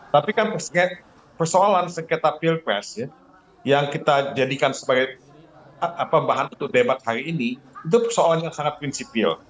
tapi kan persoalan sengketa pilpres yang kita jadikan sebagai bahan untuk debat hari ini itu persoalan yang sangat prinsipil